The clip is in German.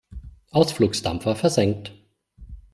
Ausflugsdampfer versenkt!